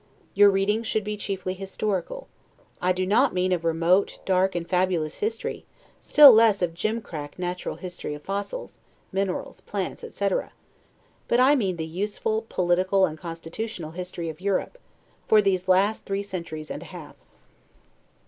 Your reading should be chiefly historical; I do not mean of remote, dark, and fabulous history, still less of jimcrack natural history of fossils, minerals, plants, etc., but I mean the useful, political, and constitutional history of Europe, for these last three centuries and a half.